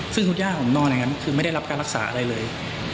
ซึ่งคุณย่าผมนอนอย่างนั้นคือไม่ได้รับการรักษาอะไรเลย